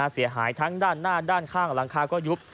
เสียหายทั้งด้านหน้าด้านข้างหลังคาก็ยุบ